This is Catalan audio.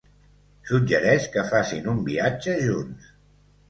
Suggereix que facin un viatge junts.